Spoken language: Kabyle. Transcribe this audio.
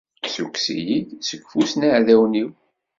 Ssukkes-iyi-d seg ufus n yiɛdawen-iw.